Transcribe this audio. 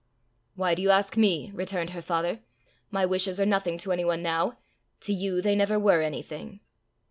"Why do you ask me?" returned her father. "My wishes are nothing to any one now; to you they never were anything."